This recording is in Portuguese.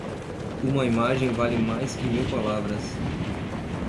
Uma imagem vale mais que mil palavras.